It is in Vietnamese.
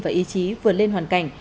và ý chí vươn lên hoàn cảnh